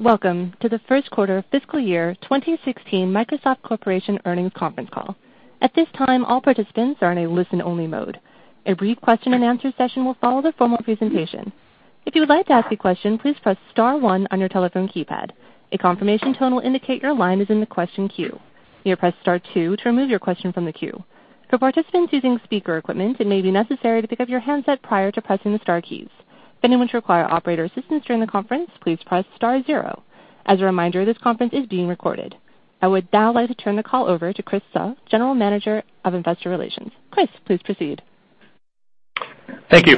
Welcome to the first quarter fiscal year 2016 Microsoft Corporation earnings conference call. At this time, all participants are in a listen-only mode. A brief question and answer session will follow the formal presentation. If you would like to ask a question, please press star one on your telephone keypad. A confirmation tone will indicate your line is in the question queue. You may press star two to remove your question from the queue. For participants using speaker equipment, it may be necessary to pick up your handset prior to pressing the star keys. Anyone to require operator assistance during the conference, please press star zero. As a reminder, this conference is being recorded. I would now like to turn the call over to Chris Suh, General Manager of Investor Relations. Chris, please proceed. Thank you.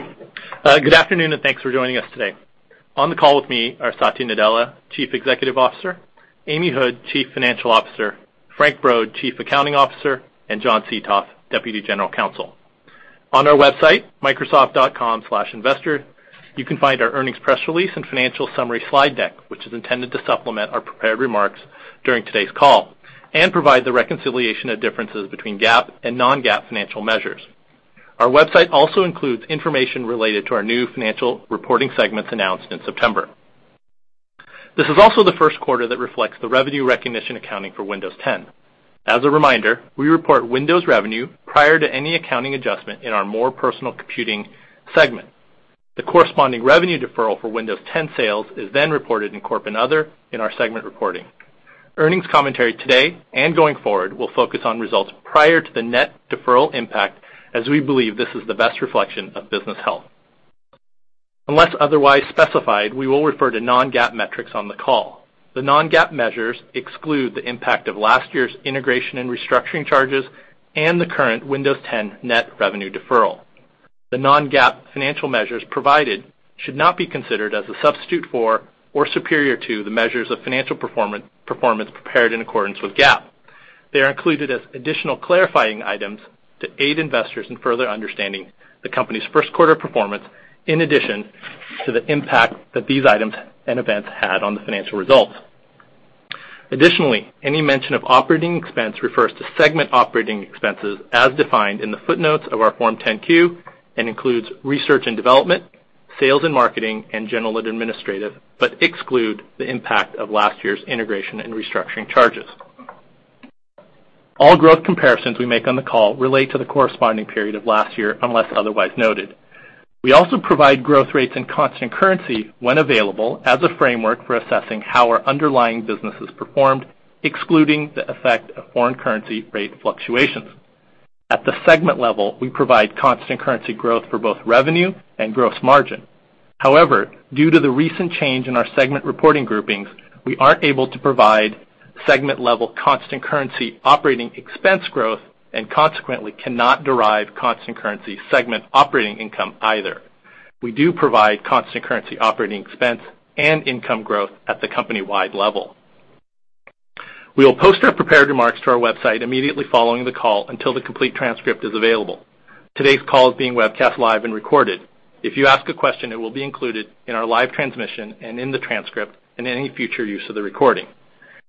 Good afternoon, thanks for joining us today. On the call with me are Satya Nadella, Chief Executive Officer, Amy Hood, Chief Financial Officer, Frank Brod, Chief Accounting Officer, and John Seethoff, Deputy General Counsel. On our website, microsoft.com/investor, you can find our earnings press release and financial summary slide deck, which is intended to supplement our prepared remarks during today's call and provide the reconciliation of differences between GAAP and non-GAAP financial measures. Our website also includes information related to our new financial reporting segments announced in September. This is also the first quarter that reflects the revenue recognition accounting for Windows 10. As a reminder, we report Windows revenue prior to any accounting adjustment in our more personal computing segment. The corresponding revenue deferral for Windows 10 sales is then reported in Corp and Other in our segment reporting. Earnings commentary today, going forward, will focus on results prior to the net deferral impact as we believe this is the best reflection of business health. Unless otherwise specified, we will refer to non-GAAP metrics on the call. The non-GAAP measures exclude the impact of last year's integration and restructuring charges and the current Windows 10 net revenue deferral. The non-GAAP financial measures provided should not be considered as a substitute for or superior to the measures of financial performance prepared in accordance with GAAP. They are included as additional clarifying items to aid investors in further understanding the company's first-quarter performance, in addition to the impact that these items and events had on the financial results. Additionally, any mention of operating expense refers to segment operating expenses as defined in the footnotes of our Form 10-Q and includes research and development, sales and marketing, and general and administrative, but exclude the impact of last year's integration and restructuring charges. All growth comparisons we make on the call relate to the corresponding period of last year, unless otherwise noted. We also provide growth rates and constant currency when available as a framework for assessing how our underlying business has performed, excluding the effect of foreign currency rate fluctuations. At the segment level, we provide constant currency growth for both revenue and gross margin. However, due to the recent change in our segment reporting groupings, we aren't able to provide segment-level constant currency operating expense growth and consequently cannot derive constant currency segment operating income either. We do provide constant currency operating expense and income growth at the company-wide level. We will post our prepared remarks to our website immediately following the call until the complete transcript is available. Today's call is being webcast live and recorded. If you ask a question, it will be included in our live transmission and in the transcript and any future use of the recording.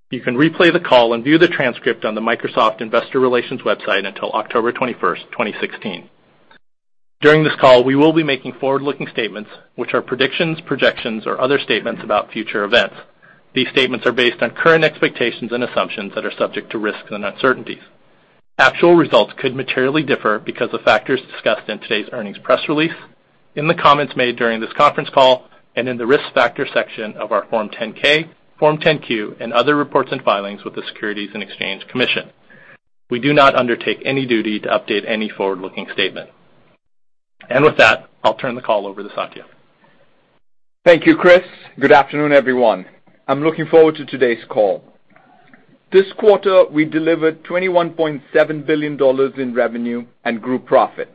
You can replay the call and view the transcript on the Microsoft Investor Relations website until October 21st, 2016. During this call, we will be making forward-looking statements, which are predictions, projections, or other statements about future events. These statements are based on current expectations and assumptions that are subject to risks and uncertainties. Actual results could materially differ because of factors discussed in today's earnings press release, in the comments made during this conference call, and in the risk factor section of our Form 10-K, Form 10-Q, and other reports and filings with the Securities and Exchange Commission. We do not undertake any duty to update any forward-looking statement. With that, I'll turn the call over to Satya. Thank you, Chris. Good afternoon, everyone. I'm looking forward to today's call. This quarter, we delivered $21.7 billion in revenue and grew profit.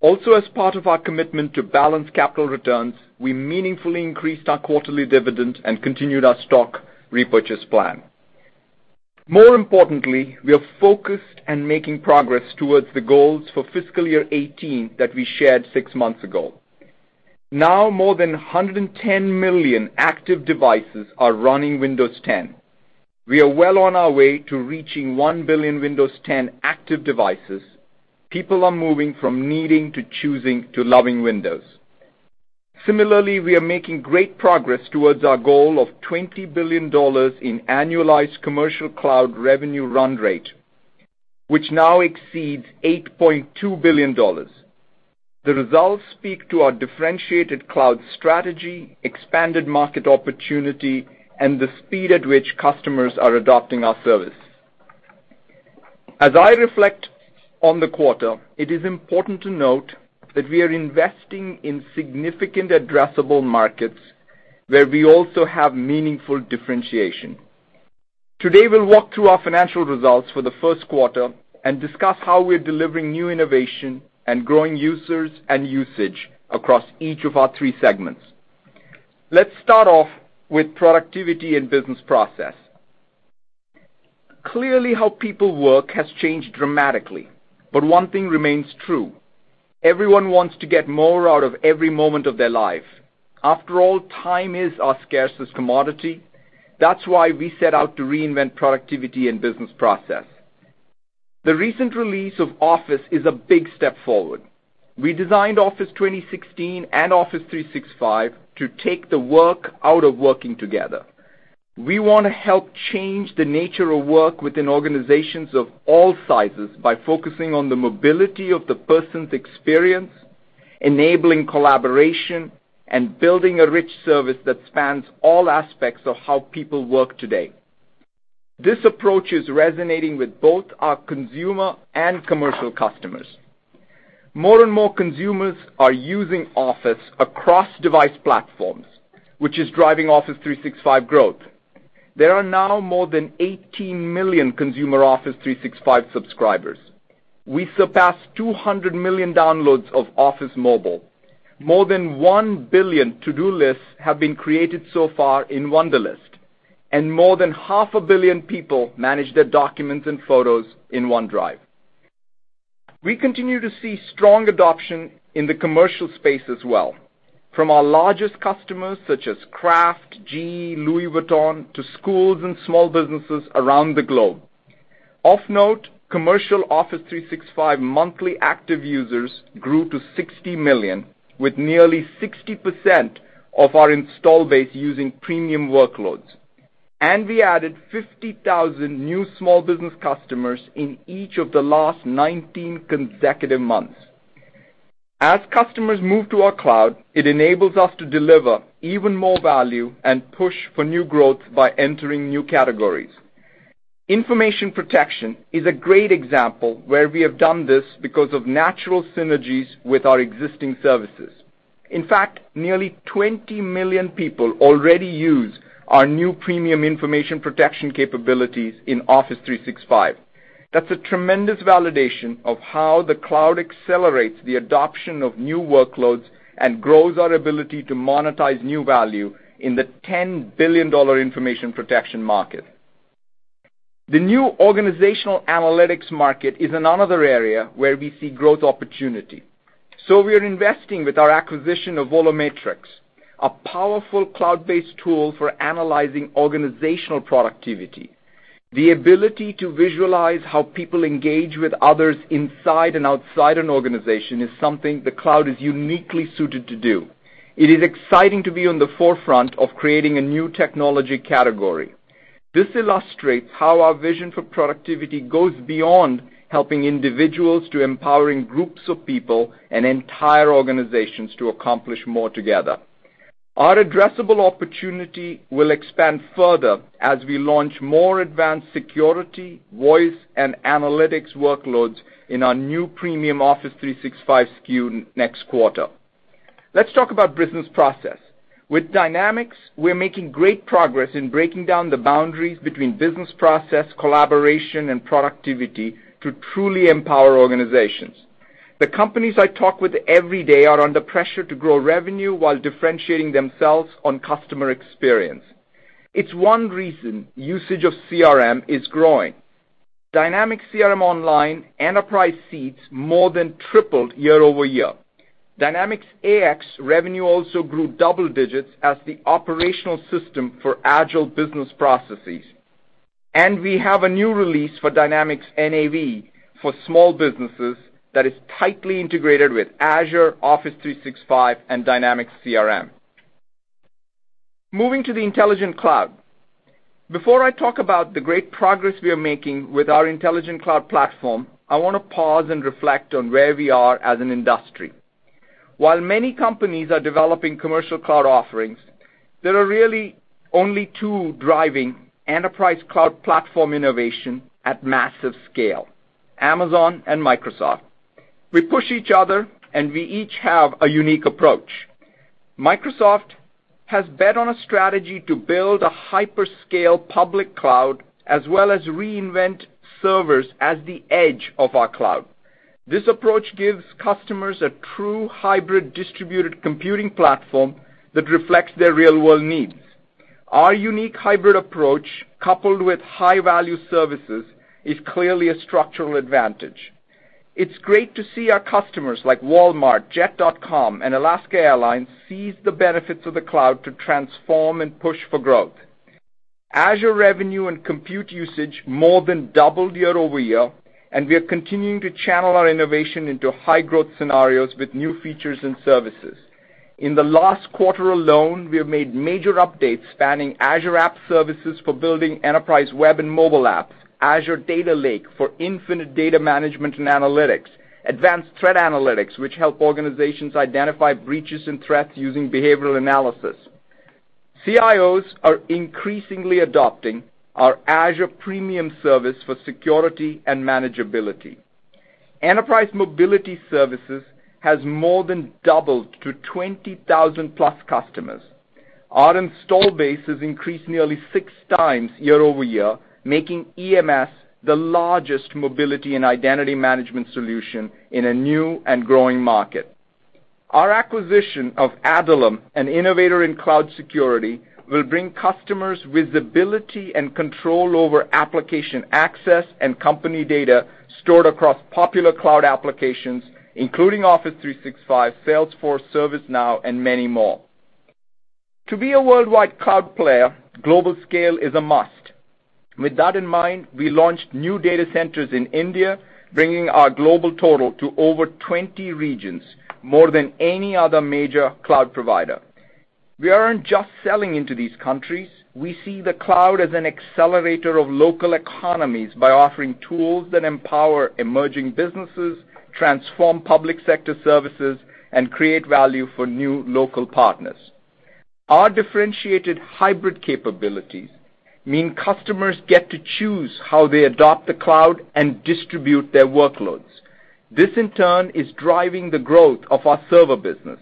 Also, as part of our commitment to balanced capital returns, we meaningfully increased our quarterly dividend and continued our stock repurchase plan. More importantly, we are focused and making progress towards the goals for FY 2018 that we shared six months ago. Now, more than 110 million active devices are running Windows 10. We are well on our way to reaching one billion Windows 10 active devices. People are moving from needing to choosing to loving Windows. Similarly, we are making great progress towards our goal of $20 billion in annualized commercial cloud revenue run rate, which now exceeds $8.2 billion. The results speak to our differentiated cloud strategy, expanded market opportunity, and the speed at which customers are adopting our service. As I reflect on the quarter, it is important to note that we are investing in significant addressable markets where we also have meaningful differentiation. Today, we'll walk through our financial results for the first quarter and discuss how we're delivering new innovation and growing users and usage across each of our three segments. Let's start off with Productivity and Business Processes. Clearly, how people work has changed dramatically, but one thing remains true. Everyone wants to get more out of every moment of their life. After all, time is our scarcest commodity. That's why we set out to reinvent Productivity and Business Processes. The recent release of Office is a big step forward. We designed Office 2016 and Office 365 to take the work out of working together. We want to help change the nature of work within organizations of all sizes by focusing on the mobility of the person's experience, enabling collaboration, and building a rich service that spans all aspects of how people work today. This approach is resonating with both our consumer and commercial customers. More and more consumers are using Office across device platforms, which is driving Office 365 growth. There are now more than 18 million consumer Office 365 subscribers. We surpassed 200 million downloads of Office Mobile. More than 1 billion to-do lists have been created so far in Wunderlist, and more than half a billion people manage their documents and photos in OneDrive. We continue to see strong adoption in the commercial space as well, from our largest customers such as Kraft, GE, Louis Vuitton, to schools and small businesses around the globe. Of note, commercial Office 365 monthly active users grew to 60 million, with nearly 60% of our install base using premium workloads. We added 50,000 new small business customers in each of the last 19 consecutive months. As customers move to our cloud, it enables us to deliver even more value and push for new growth by entering new categories. Information protection is a great example where we have done this because of natural synergies with our existing services. In fact, nearly 20 million people already use our new premium information protection capabilities in Office 365. That's a tremendous validation of how the cloud accelerates the adoption of new workloads and grows our ability to monetize new value in the $10 billion information protection market. The new organizational analytics market is another area where we see growth opportunity. We are investing with our acquisition of VoloMetrix, a powerful cloud-based tool for analyzing organizational productivity. The ability to visualize how people engage with others inside and outside an organization is something the cloud is uniquely suited to do. It is exciting to be on the forefront of creating a new technology category. This illustrates how our vision for productivity goes beyond helping individuals to empowering groups of people and entire organizations to accomplish more together. Our addressable opportunity will expand further as we launch more advanced security, voice, and analytics workloads in our new premium Office 365 SKU next quarter. Let's talk about business process. With Dynamics, we're making great progress in breaking down the boundaries between business process, collaboration, and productivity to truly empower organizations. The companies I talk with every day are under pressure to grow revenue while differentiating themselves on customer experience. It's one reason usage of CRM is growing. Dynamics CRM Online enterprise seats more than tripled year over year. Dynamics AX revenue also grew double digits as the operational system for agile business processes. We have a new release for Dynamics NAV for small businesses that is tightly integrated with Azure, Office 365, and Dynamics CRM. Moving to the intelligent cloud. Before I talk about the great progress we are making with our intelligent cloud platform, I want to pause and reflect on where we are as an industry. While many companies are developing commercial cloud offerings, there are really only two driving enterprise cloud platform innovation at massive scale, Amazon and Microsoft. We push each other, and we each have a unique approach. Microsoft has bet on a strategy to build a hyperscale public cloud, as well as reinvent servers as the edge of our cloud. This approach gives customers a true hybrid distributed computing platform that reflects their real-world needs. Our unique hybrid approach, coupled with high-value services, is clearly a structural advantage. It's great to see our customers like Walmart, Jet.com, and Alaska Airlines seize the benefits of the cloud to transform and push for growth. Azure revenue and compute usage more than doubled year-over-year, and we are continuing to channel our innovation into high-growth scenarios with new features and services. In the last quarter alone, we have made major updates spanning Azure App Services for building enterprise web and mobile apps, Azure Data Lake for infinite data management and analytics, advanced threat analytics, which help organizations identify breaches and threats using behavioral analysis. CIOs are increasingly adopting our Azure premium service for security and manageability. Enterprise Mobility Services has more than doubled to 20,000-plus customers. Our install base has increased nearly six times year-over-year, making EMS the largest mobility and identity management solution in a new and growing market. Our acquisition of Adallom, an innovator in cloud security, will bring customers visibility and control over application access and company data stored across popular cloud applications, including Office 365, Salesforce, ServiceNow, and many more. To be a worldwide cloud player, global scale is a must. With that in mind, we launched new data centers in India, bringing our global total to over 20 regions, more than any other major cloud provider. We aren't just selling into these countries. We see the cloud as an accelerator of local economies by offering tools that empower emerging businesses, transform public sector services, and create value for new local partners. Our differentiated hybrid capabilities mean customers get to choose how they adopt the cloud and distribute their workloads. This, in turn, is driving the growth of our server business.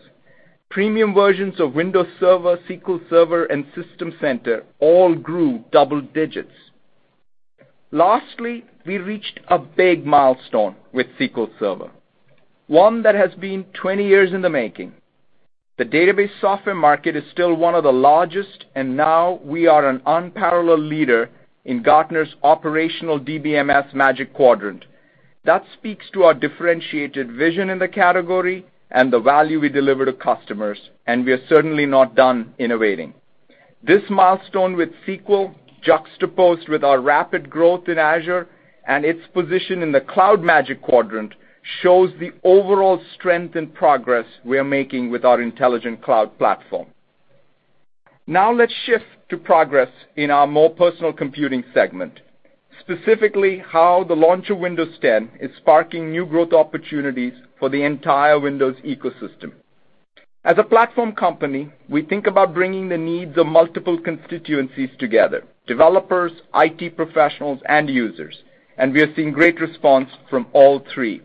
Premium versions of Windows Server, SQL Server, and System Center all grew double digits. Lastly, we reached a big milestone with SQL Server, one that has been 20 years in the making. The database software market is still one of the largest, and now we are an unparalleled leader in Gartner's operational DBMS Magic Quadrant. That speaks to our differentiated vision in the category and the value we deliver to customers, and we are certainly not done innovating. This milestone with SQL juxtaposed with our rapid growth in Azure and its position in the Cloud Magic Quadrant shows the overall strength and progress we are making with our intelligent cloud platform. Now let's shift to progress in our more personal computing segment, specifically how the launch of Windows 10 is sparking new growth opportunities for the entire Windows ecosystem. As a platform company, we think about bringing the needs of multiple constituencies together, developers, IT professionals, and users, and we are seeing great response from all three.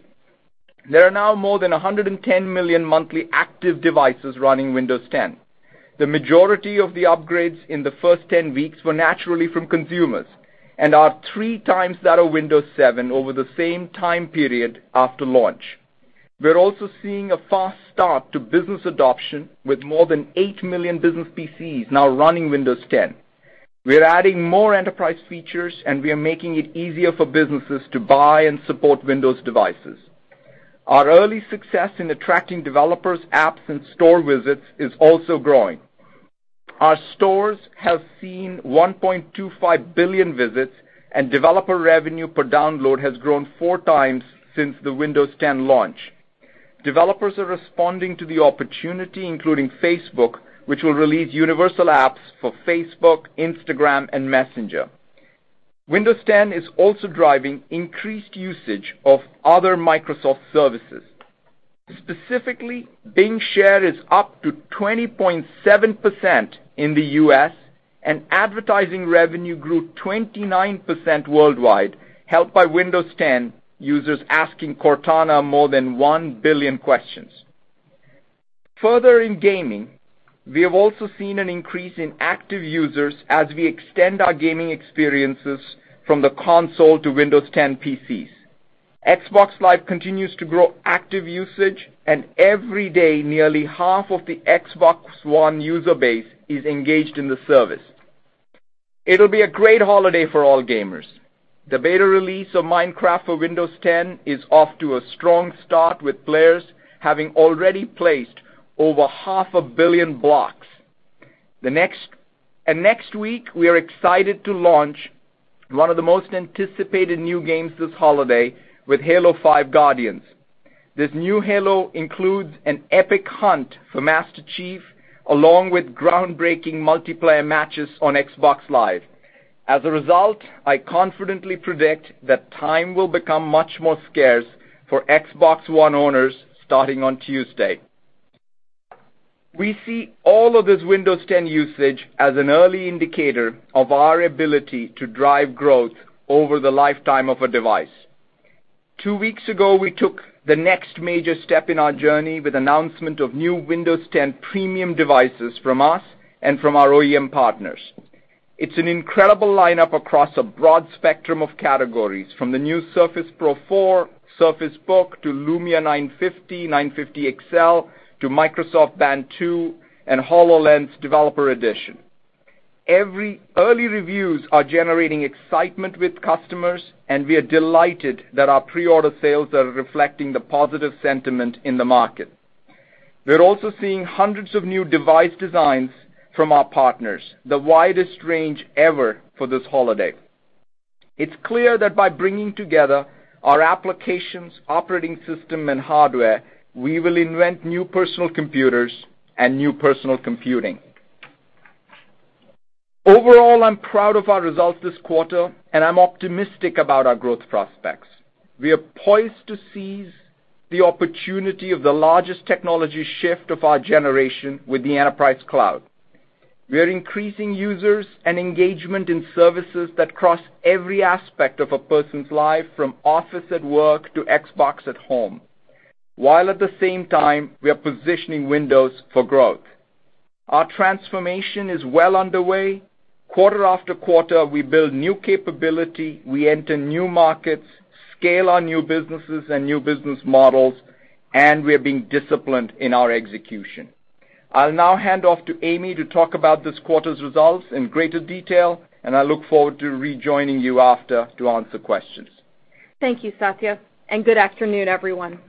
There are now more than 110 million monthly active devices running Windows 10. The majority of the upgrades in the first 10 weeks were naturally from consumers and are three times that of Windows 7 over the same time period after launch. We're also seeing a fast start to business adoption with more than eight million business PCs now running Windows 10. We are adding more enterprise features, and we are making it easier for businesses to buy and support Windows devices. Our early success in attracting developers, apps, and store visits is also growing. Our stores have seen 1.25 billion visits, and developer revenue per download has grown four times since the Windows 10 launch. Developers are responding to the opportunity, including Facebook, which will release universal apps for Facebook, Instagram, and Messenger. Windows 10 is also driving increased usage of other Microsoft services. Specifically, Bing share is up to 20.7% in the U.S., and advertising revenue grew 29% worldwide, helped by Windows 10 users asking Cortana more than 1 billion questions. Further in gaming, we have also seen an increase in active users as we extend our gaming experiences from the console to Windows 10 PCs. Xbox Live continues to grow active usage, and every day, nearly half of the Xbox One user base is engaged in the service. It'll be a great holiday for all gamers. The beta release of Minecraft for Windows 10 is off to a strong start with players having already placed over half a billion blocks. Next week, we are excited to launch one of the most anticipated new games this holiday with Halo 5: Guardians. This new Halo includes an epic hunt for Master Chief along with groundbreaking multiplayer matches on Xbox Live. As a result, I confidently predict that time will become much more scarce for Xbox One owners starting on Tuesday. We see all of this Windows 10 usage as an early indicator of our ability to drive growth over the lifetime of a device. Two weeks ago, we took the next major step in our journey with announcement of new Windows 10 premium devices from us and from our OEM partners. It's an incredible lineup across a broad spectrum of categories, from the new Surface Pro 4, Surface Book, to Lumia 950, Lumia 950 XL, to Microsoft Band 2, and HoloLens Development Edition. Early reviews are generating excitement with customers, and we are delighted that our pre-order sales are reflecting the positive sentiment in the market. We're also seeing hundreds of new device designs from our partners, the widest range ever for this holiday. It's clear that by bringing together our applications, operating system, and hardware, we will invent new personal computers and new personal computing. Overall, I'm proud of our results this quarter, and I'm optimistic about our growth prospects. We are poised to seize the opportunity of the largest technology shift of our generation with the enterprise cloud. We are increasing users and engagement in services that cross every aspect of a person's life, from Office at work to Xbox at home, while at the same time, we are positioning Windows for growth. Our transformation is well underway. Quarter after quarter, we build new capability, we enter new markets, scale our new businesses and new business models, and we are being disciplined in our execution. I'll now hand off to Amy to talk about this quarter's results in greater detail, and I look forward to rejoining you after to answer questions. Thank you, Satya, and good afternoon, everyone.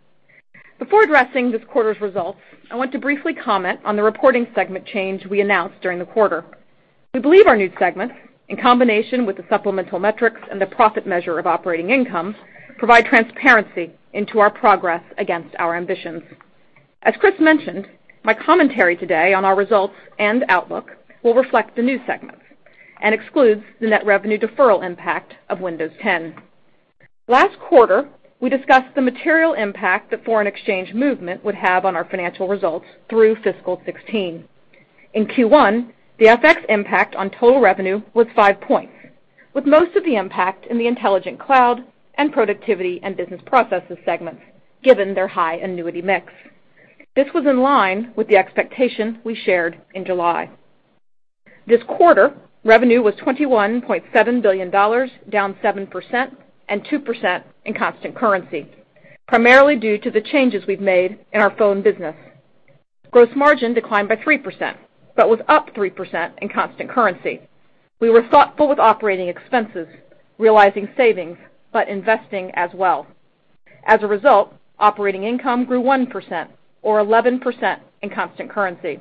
Before addressing this quarter's results, I want to briefly comment on the reporting segment change we announced during the quarter. We believe our new segments, in combination with the supplemental metrics and the profit measure of operating income, provide transparency into our progress against our ambitions. As Chris mentioned, my commentary today on our results and outlook will reflect the new segments and excludes the net revenue deferral impact of Windows 10. Last quarter, we discussed the material impact that foreign exchange movement would have on our financial results through fiscal 2016. In Q1, the FX impact on total revenue was five points, with most of the impact in the Intelligent Cloud and Productivity and Business Processes segments, given their high annuity mix. This was in line with the expectation we shared in July. This quarter, revenue was $21.7 billion, down 7% and 2% in constant currency, primarily due to the changes we've made in our phone business. Gross margin declined by 3% but was up 3% in constant currency. We were thoughtful with operating expenses, realizing savings, but investing as well. As a result, operating income grew 1% or 11% in constant currency.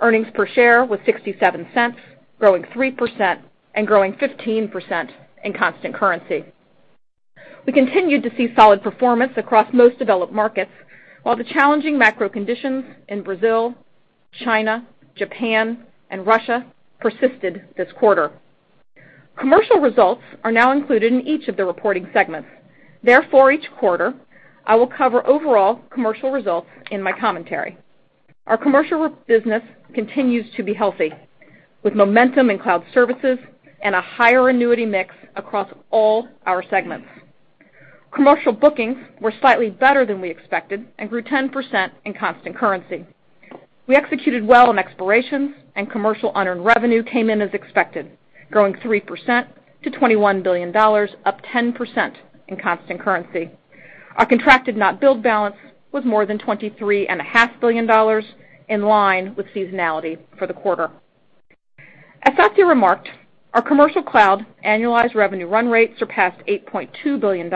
Earnings per share was $0.67, growing 3% and growing 15% in constant currency. We continued to see solid performance across most developed markets, while the challenging macro conditions in Brazil, China, Japan, and Russia persisted this quarter. Commercial results are now included in each of the reporting segments. Each quarter, I will cover overall commercial results in my commentary. Our commercial business continues to be healthy, with momentum in cloud services and a higher annuity mix across all our segments. Commercial bookings were slightly better than we expected and grew 10% in constant currency. We executed well on expirations and commercial unearned revenue came in as expected, growing 3% to $21 billion, up 10% in constant currency. Our contracted not billed balance was more than $23.5 billion, in line with seasonality for the quarter. As Satya remarked, our commercial cloud annualized revenue run rate surpassed $8.2 billion,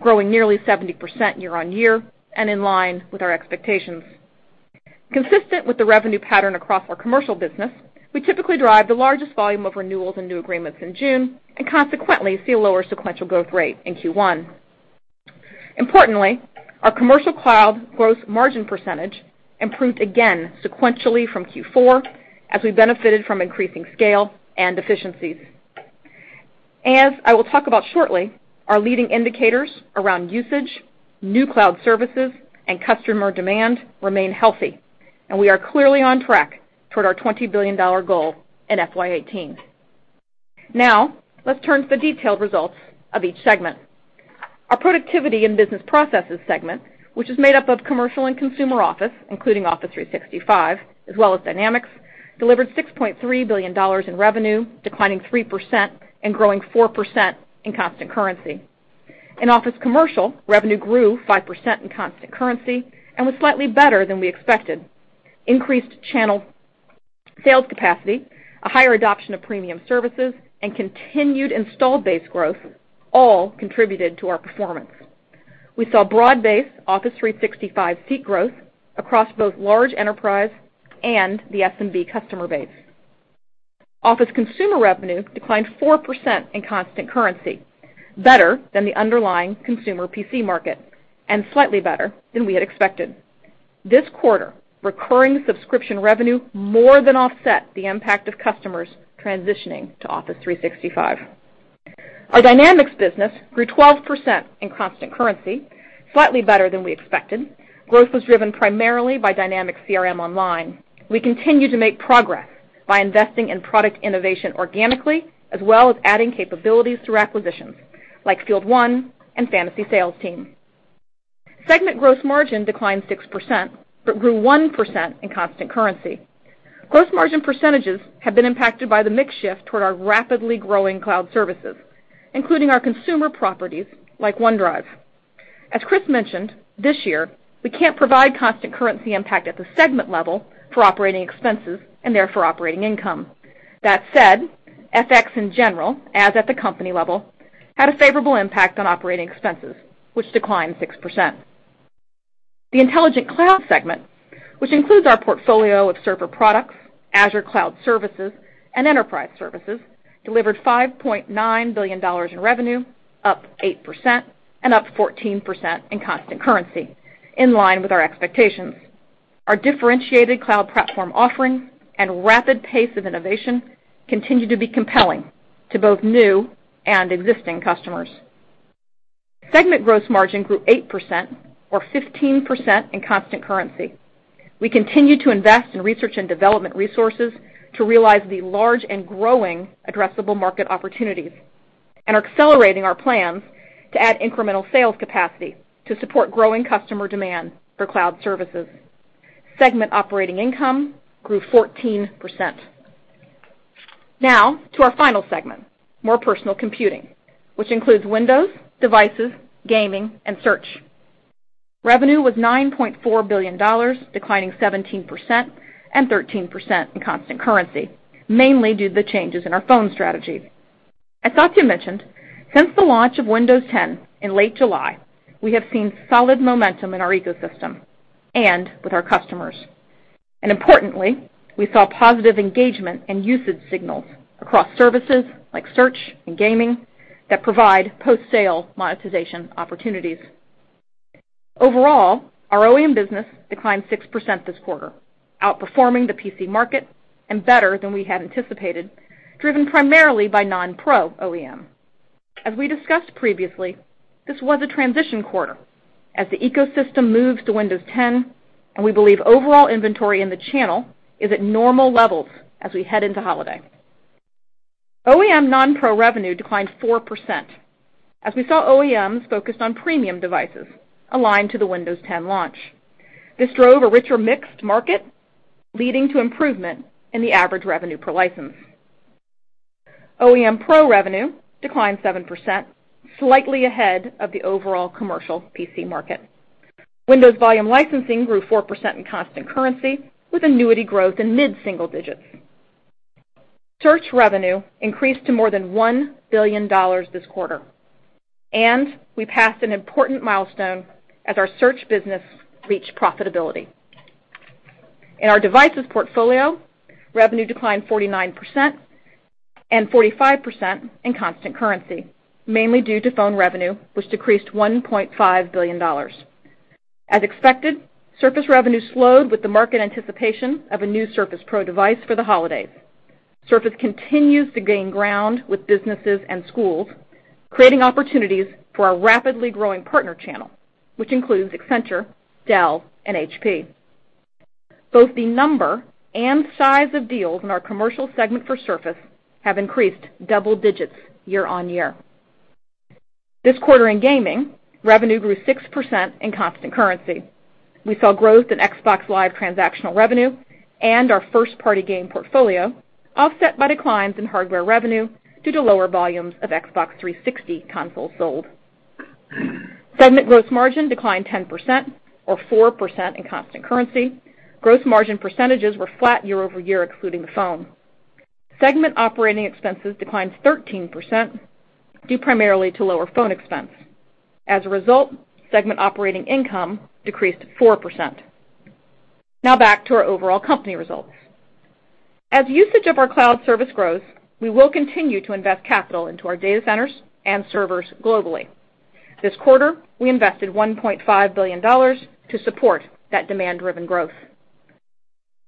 growing nearly 70% year-on-year and in line with our expectations. Consistent with the revenue pattern across our commercial business, we typically derive the largest volume of renewals and new agreements in June, consequently see a lower sequential growth rate in Q1. Importantly, our commercial cloud gross margin percentage improved again sequentially from Q4 as we benefited from increasing scale and efficiencies. As I will talk about shortly, our leading indicators around usage, new cloud services, and customer demand remain healthy, we are clearly on track toward our $20 billion goal in FY 2018. Let's turn to the detailed results of each segment. Our Productivity and Business Processes segment, which is made up of commercial and consumer Office, including Office 365, as well as Dynamics, delivered $6.3 billion in revenue, declining 3% and growing 4% in constant currency. In Office commercial, revenue grew 5% in constant currency and was slightly better than we expected. Increased channel sales capacity, a higher adoption of premium services, and continued installed base growth all contributed to our performance. We saw broad-based Office 365 seat growth across both large enterprise and the SMB customer base. Office consumer revenue declined 4% in constant currency, better than the underlying consumer PC market and slightly better than we had expected. This quarter, recurring subscription revenue more than offset the impact of customers transitioning to Office 365. Our Dynamics business grew 12% in constant currency, slightly better than we expected. Growth was driven primarily by Dynamics CRM Online. We continue to make progress by investing in product innovation organically, as well as adding capabilities through acquisitions like FieldOne and Fantasy Sales Team. Segment gross margin declined 6% but grew 1% in constant currency. Gross margin percentages have been impacted by the mix shift toward our rapidly growing cloud services, including our consumer properties like OneDrive. As Chris mentioned, this year, we can't provide constant currency impact at the segment level for operating expenses and therefore operating income. That said, FX in general, as at the company level, had a favorable impact on operating expenses, which declined 6%. The intelligent cloud segment, which includes our portfolio of server products, Azure cloud services, and enterprise services, delivered $5.9 billion in revenue, up 8% and up 14% in constant currency, in line with our expectations. Our differentiated cloud platform offering and rapid pace of innovation continue to be compelling to both new and existing customers. Segment gross margin grew 8% or 15% in constant currency. We continue to invest in research and development resources to realize the large and growing addressable market opportunities and are accelerating our plans to add incremental sales capacity to support growing customer demand for cloud services. Segment operating income grew 14%. Now to our final segment, more personal computing, which includes Windows, devices, gaming, and Search. Revenue was $9.4 billion, declining 17% and 13% in constant currency, mainly due to the changes in our phone strategy. As Satya mentioned, since the launch of Windows 10 in late July, we have seen solid momentum in our ecosystem and with our customers. Importantly, we saw positive engagement and usage signals across services like Search and gaming that provide post-sale monetization opportunities. Overall, our OEM business declined 6% this quarter, outperforming the PC market and better than we had anticipated, driven primarily by non-pro OEM. As we discussed previously, this was a transition quarter as the ecosystem moves to Windows 10, and we believe overall inventory in the channel is at normal levels as we head into holiday. OEM non-pro revenue declined 4% as we saw OEMs focused on premium devices aligned to the Windows 10 launch. This drove a richer mixed market, leading to improvement in the average revenue per license. OEM pro revenue declined 7%, slightly ahead of the overall commercial PC market. Windows volume licensing grew 4% in constant currency, with annuity growth in mid-single digits. Search revenue increased to more than $1 billion this quarter, and we passed an important milestone as our Search business reached profitability. In our devices portfolio, revenue declined 49% and 45% in constant currency, mainly due to phone revenue, which decreased $1.5 billion. As expected, Surface revenue slowed with the market anticipation of a new Surface Pro device for the holidays. Surface continues to gain ground with businesses and schools, creating opportunities for our rapidly growing partner channel, which includes Accenture, Dell, and HP. Both the number and size of deals in our commercial segment for Surface have increased double digits year-over-year. This quarter in gaming, revenue grew 6% in constant currency. We saw growth in Xbox Live transactional revenue and our first-party game portfolio, offset by declines in hardware revenue due to lower volumes of Xbox 360 consoles sold. Segment gross margin declined 10%, or 4% in constant currency. Gross margin percentages were flat year-over-year, excluding the phone. Segment operating expenses declined 13%, due primarily to lower phone expense. As a result, segment operating income decreased 4%. Back to our overall company results. As usage of our cloud service grows, we will continue to invest capital into our data centers and servers globally. This quarter, we invested $1.5 billion to support that demand-driven growth.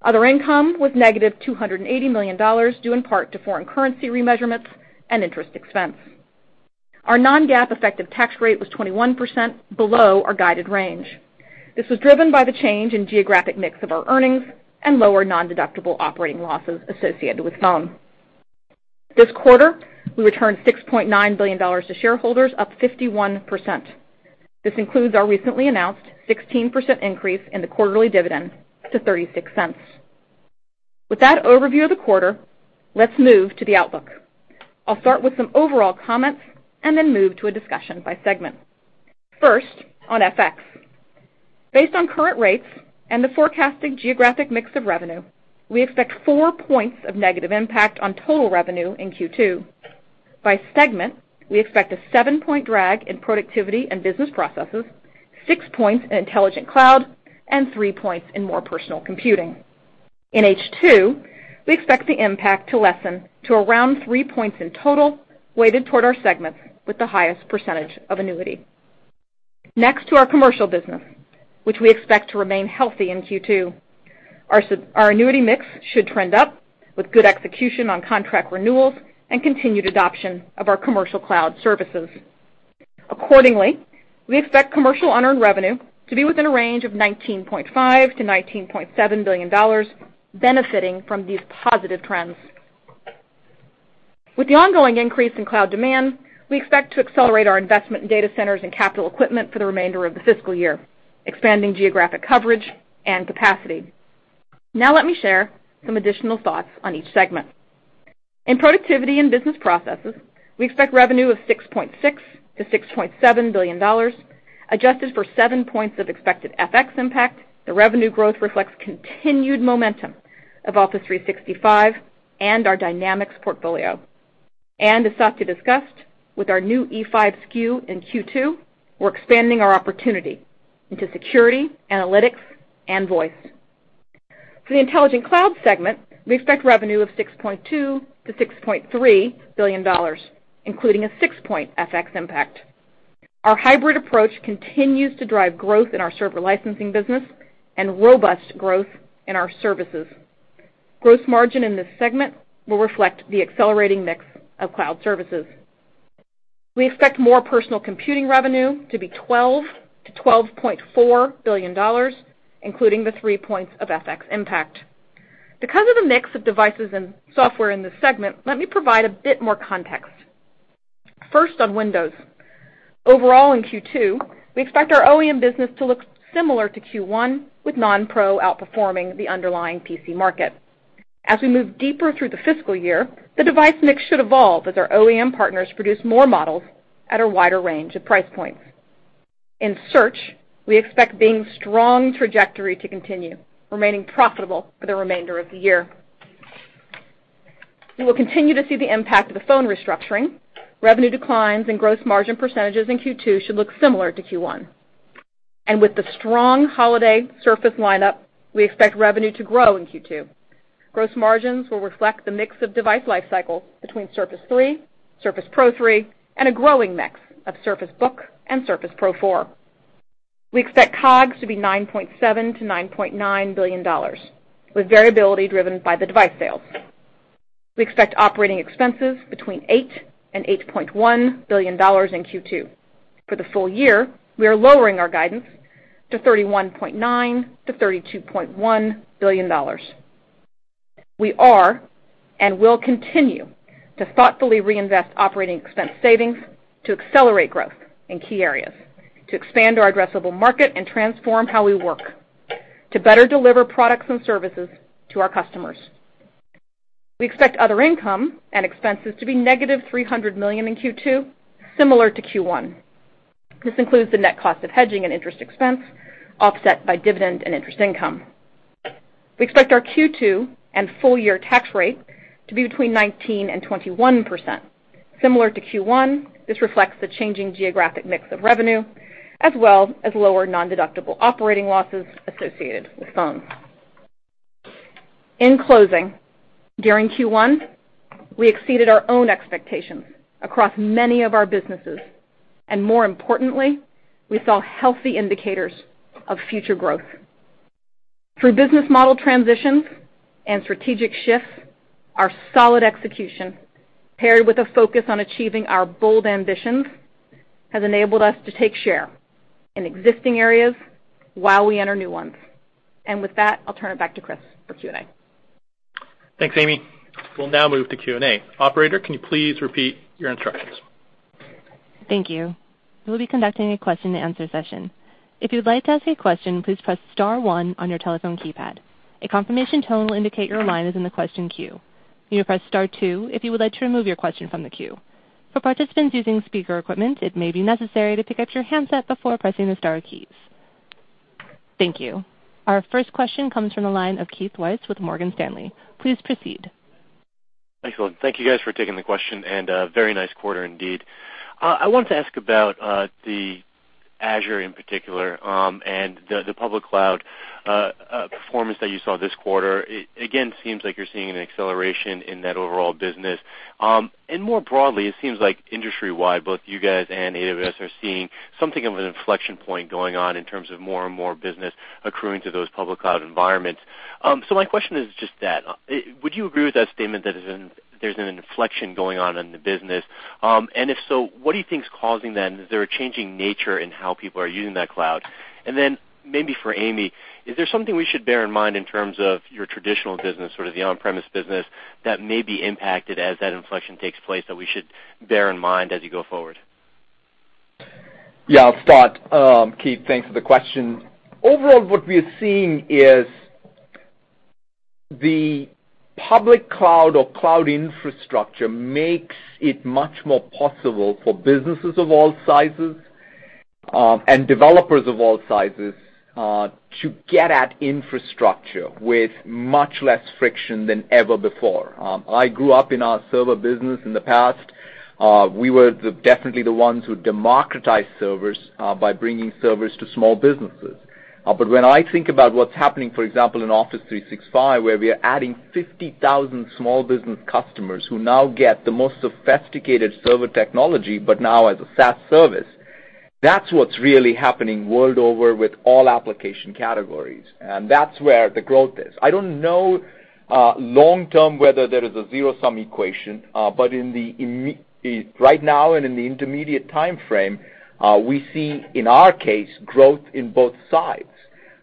Other income was negative $280 million due in part to foreign currency remeasurements and interest expense. Our non-GAAP effective tax rate was 21% below our guided range. This was driven by the change in geographic mix of our earnings and lower non-deductible operating losses associated with phone. This quarter, we returned $6.9 billion to shareholders, up 51%. This includes our recently announced 16% increase in the quarterly dividend to $0.36. With that overview of the quarter, let's move to the outlook. I'll start with some overall comments then move to a discussion by segment. First, on FX. Based on current rates and the forecasted geographic mix of revenue, we expect four points of negative impact on total revenue in Q2. By segment, we expect a seven-point drag in Productivity and Business Processes, six points in Intelligent Cloud, and three points in More Personal Computing. In H2, we expect the impact to lessen to around three points in total, weighted toward our segments with the highest percentage of annuity. Next, to our commercial business, which we expect to remain healthy in Q2. Our annuity mix should trend up with good execution on contract renewals and continued adoption of our commercial cloud services. Accordingly, we expect commercial unearned revenue to be within a range of $19.5 billion-$19.7 billion, benefiting from these positive trends. With the ongoing increase in cloud demand, we expect to accelerate our investment in data centers and capital equipment for the remainder of the fiscal year, expanding geographic coverage and capacity. Let me share some additional thoughts on each segment. In Productivity and Business Processes, we expect revenue of $6.6 billion-$6.7 billion, adjusted for seven points of expected FX impact. The revenue growth reflects continued momentum of Office 365 and our Dynamics portfolio. As Satya discussed, with our new E5 SKU in Q2, we're expanding our opportunity into security, analytics, and voice. For the Intelligent Cloud segment, we expect revenue of $6.2 billion-$6.3 billion, including a six-point FX impact. Our hybrid approach continues to drive growth in our server licensing business and robust growth in our services. Gross margin in this segment will reflect the accelerating mix of cloud services. We expect More Personal Computing revenue to be $12 billion-$12.4 billion, including the three points of FX impact. Because of the mix of devices and software in this segment, let me provide a bit more context. First on Windows. Overall in Q2, we expect our OEM business to look similar to Q1, with non-pro outperforming the underlying PC market. As we move deeper through the fiscal year, the device mix should evolve as our OEM partners produce more models at a wider range of price points. In search, we expect Bing's strong trajectory to continue, remaining profitable for the remainder of the year. We will continue to see the impact of the phone restructuring. Revenue declines and gross margin percentages in Q2 should look similar to Q1. With the strong holiday Surface lineup, we expect revenue to grow in Q2. Gross margins will reflect the mix of device life cycles between Surface 3, Surface Pro 3, and a growing mix of Surface Book and Surface Pro 4. We expect COGS to be $9.7 billion-$9.9 billion, with variability driven by the device sales. We expect operating expenses between $8 billion and $8.1 billion in Q2. For the full year, we are lowering our guidance to $31.9 billion-$32.1 billion. We are and will continue to thoughtfully reinvest operating expense savings to accelerate growth in key areas, to expand our addressable market and transform how we work, to better deliver products and services to our customers. We expect other income and expenses to be negative $300 million in Q2, similar to Q1. This includes the net cost of hedging and interest expense, offset by dividend and interest income. We expect our Q2 and full year tax rate to be between 19%-21%, similar to Q1. This reflects the changing geographic mix of revenue, as well as lower nondeductible operating losses associated with phones. In closing, during Q1, we exceeded our own expectations across many of our businesses, and more importantly, we saw healthy indicators of future growth. Through business model transitions and strategic shifts, our solid execution, paired with a focus on achieving our bold ambitions, has enabled us to take share in existing areas while we enter new ones. With that, I'll turn it back to Chris for Q&A. Thanks, Amy. We'll now move to Q&A. Operator, can you please repeat your instructions? Thank you. We will be conducting a question and answer session. If you'd like to ask a question, please press star one on your telephone keypad. A confirmation tone will indicate your line is in the question queue. You may press star two if you would like to remove your question from the queue. For participants using speaker equipment, it may be necessary to pick up your handset before pressing the star keys. Thank you. Our first question comes from the line of Keith Weiss with Morgan Stanley. Please proceed. Thanks. Thank you guys for taking the question, and a very nice quarter indeed. I want to ask about the Azure in particular, and the public cloud performance that you saw this quarter. Again, seems like you're seeing an acceleration in that overall business. More broadly, it seems like industry-wide, both you guys and AWS are seeing something of an inflection point going on in terms of more and more business accruing to those public cloud environments. My question is just that, would you agree with that statement that there's an inflection going on in the business? If so, what do you think is causing that, and is there a changing nature in how people are using that cloud? Maybe for Amy, is there something we should bear in mind in terms of your traditional business, sort of the on-premise business, that may be impacted as that inflection takes place that we should bear in mind as you go forward? Yeah, I'll start. Keith, thanks for the question. Overall, what we are seeing is the public cloud or cloud infrastructure makes it much more possible for businesses of all sizes and developers of all sizes to get at infrastructure with much less friction than ever before. I grew up in our server business in the past. We were definitely the ones who democratized servers by bringing servers to small businesses. When I think about what's happening, for example, in Office 365, where we are adding 50,000 small business customers who now get the most sophisticated server technology, but now as a SaaS service, that's what's really happening world over with all application categories, and that's where the growth is. I don't know long term whether there is a zero-sum equation, right now and in the intermediate timeframe, we see, in our case, growth in both sides.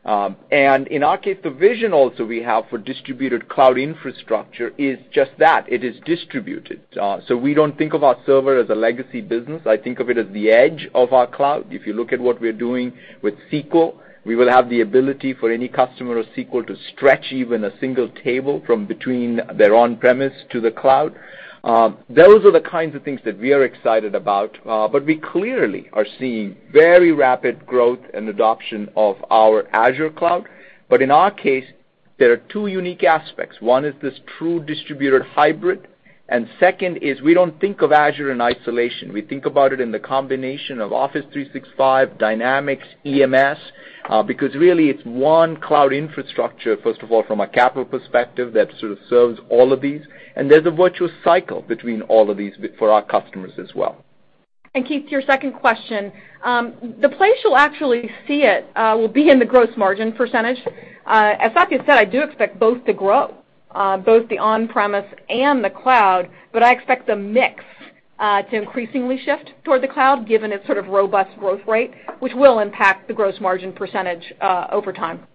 In our case, the vision also we have for distributed cloud infrastructure is just that. It is distributed. We don't think of our server as a legacy business. I think of it as the edge of our cloud. If you look at what we're doing with SQL, we will have the ability for any customer of SQL to stretch even a single table from between their on-premise to the cloud. Those are the kinds of things that we are excited about, we clearly are seeing very rapid growth and adoption of our Azure cloud. In our case, there are two unique aspects. One is this true distributed hybrid, second is we don't think of Azure in isolation. We think about it in the combination of Office 365, Dynamics, EMS, because really it's one cloud infrastructure, first of all, from a capital perspective, that sort of serves all of these, and there's a virtuous cycle between all of these for our customers as well. Keith, to your second question, the place you'll actually see it will be in the gross margin percentage. As Satya said, I do expect both to grow, both the on-premise and the cloud, but I expect the mix to increasingly shift toward the cloud given its sort of robust growth rate, which will impact the gross margin percentage over time.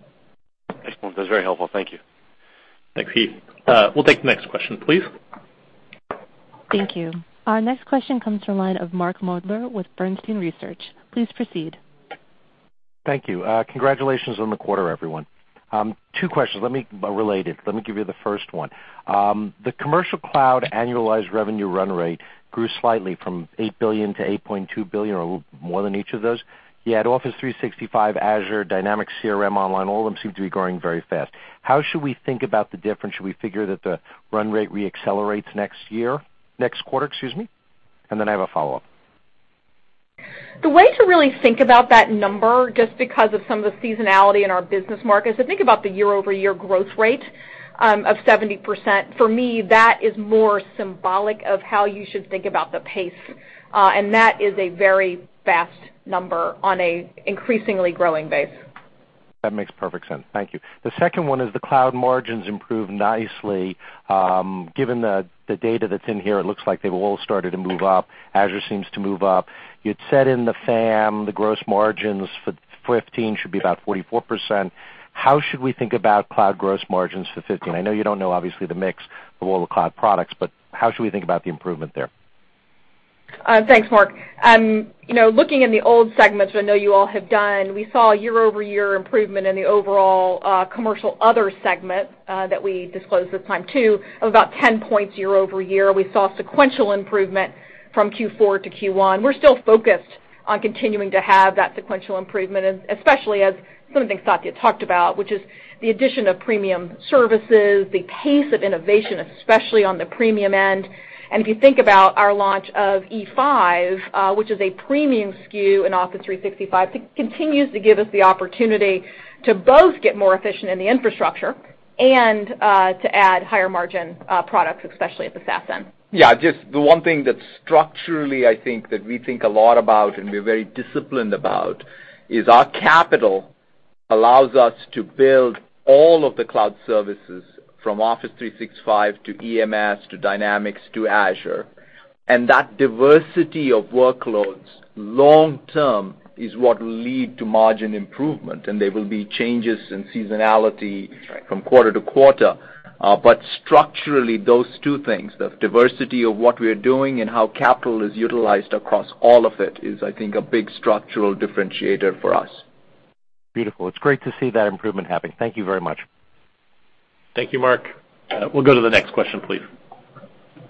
Excellent. That's very helpful. Thank you. Thanks, Keith. We'll take the next question, please. Thank you. Our next question comes from the line of Mark Moerdler with Bernstein Research. Please proceed. Thank you. Congratulations on the quarter, everyone. Two questions, related. Let me give you the first one. The commercial cloud annualized revenue run rate grew slightly from $8 billion to $8.2 billion, or a little more than each of those. You had Office 365, Azure, Dynamics, CRM Online, all of them seem to be growing very fast. How should we think about the difference? Should we figure that the run rate re-accelerates next quarter? I have a follow-up. The way to really think about that number, just because of some of the seasonality in our business markets, think about the year-over-year growth rate of 70%. For me, that is more symbolic of how you should think about the pace. That is a very fast number on an increasingly growing base. That makes perfect sense. Thank you. The second one is the cloud margins improved nicely. Given the data that's in here, it looks like they've all started to move up. Azure seems to move up. You'd said in the FAM, the gross margins for 2015 should be about 44%. How should we think about cloud gross margins for 2015? I know you don't know, obviously, the mix of all the cloud products, how should we think about the improvement there? Thanks, Mark. Looking in the old segments, which I know you all have done, we saw year-over-year improvement in the overall commercial other segment that we disclosed this time too, of about 10 points year-over-year. We saw sequential improvement from Q4 to Q1. We're still focused on continuing to have that sequential improvement, especially as some of the things Satya talked about, which is the addition of premium services, the pace of innovation, especially on the premium end. If you think about our launch of E5, which is a premium SKU in Office 365, continues to give us the opportunity to both get more efficient in the infrastructure and to add higher-margin products, especially at the SaaS end. Yeah, just the one thing that structurally, I think, that we think a lot about and we're very disciplined about is our capital allows us to build all of the cloud services from Office 365 to EMS to Dynamics to Azure. That diversity of workloads, long term, is what will lead to margin improvement. There will be changes in seasonality- That's right. from quarter to quarter. Structurally, those two things, the diversity of what we are doing and how capital is utilized across all of it is, I think, a big structural differentiator for us. Beautiful. It's great to see that improvement happening. Thank you very much. Thank you, Mark. We'll go to the next question, please.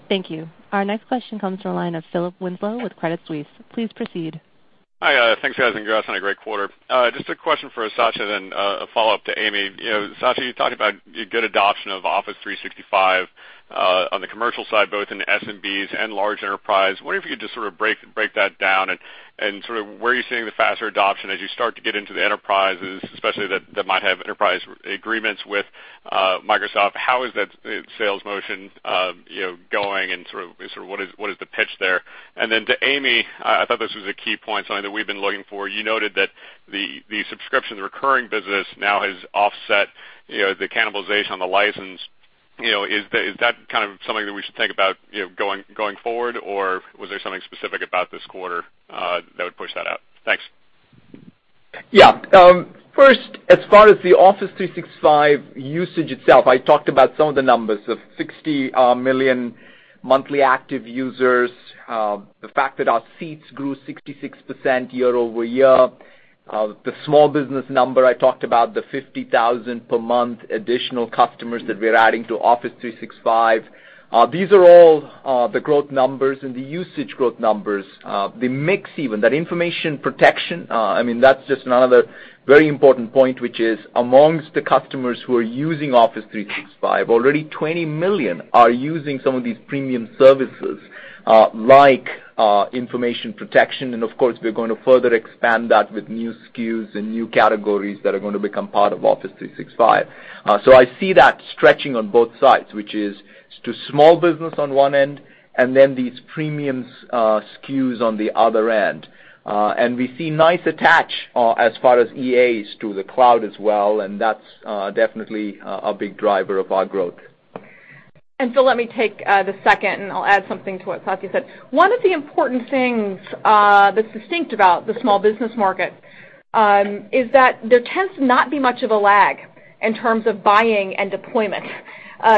Thank you. Our next question comes from the line of Philip Winslow with Credit Suisse. Please proceed. Hi. Thanks, guys, and congrats on a great quarter. Just a question for Satya, then a follow-up to Amy. Satya, you talked about your good adoption of Office 365 on the commercial side, both in SMBs and large enterprise. Wondering if you could just break that down and where are you seeing the faster adoption as you start to get into the enterprises, especially that might have enterprise agreements with Microsoft. How is that sales motion going and what is the pitch there? Then to Amy, I thought this was a key point, something that we've been looking for. You noted that the subscription recurring business now has offset the cannibalization on the license. Is that something that we should think about going forward, or was there something specific about this quarter that would push that out? Thanks. Yeah. First, as far as the Office 365 usage itself, I talked about some of the numbers of 60 million monthly active users, the fact that our seats grew 66% year-over-year. The small business number I talked about, the 50,000 per month additional customers that we're adding to Office 365. These are all the growth numbers and the usage growth numbers. The mix even, that information protection, that's just another very important point, which is amongst the customers who are using Office 365, already 20 million are using some of these premium services like information protection. Of course, we're going to further expand that with new SKUs and new categories that are going to become part of Office 365. I see that stretching on both sides, which is to small business on one end, and then these premium SKUs on the other end. We see nice attach as far as EAs to the cloud as well, that's definitely a big driver of our growth. Phil, let me take the second, I'll add something to what Satya said. One of the important things that's distinct about the small business market is that there tends to not be much of a lag in terms of buying and deployment.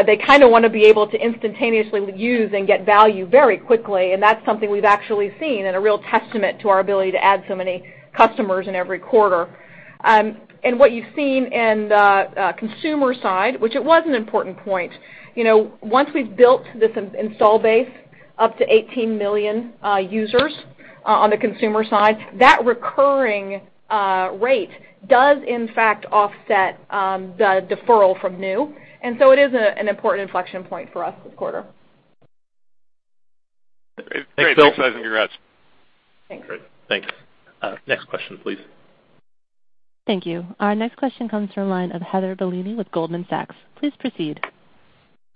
They want to be able to instantaneously use and get value very quickly, that's something we've actually seen and a real testament to our ability to add so many customers in every quarter. What you've seen in the consumer side, which it was an important point. Once we've built this install base up to 18 million users on the consumer side, that recurring rate does in fact offset the deferral from new, it is an important inflection point for us this quarter. Great. Thanks. Thanks, Phil. Thanks, guys, and congrats. Thanks. Great. Thanks. Next question, please. Thank you. Our next question comes from the line of Heather Bellini with Goldman Sachs. Please proceed.